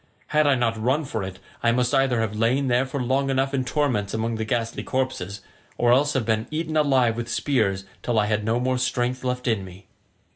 Had I not run for it I must either have lain there for long enough in torments among the ghastly corpses, or have been eaten alive with spears till I had no more strength left in me."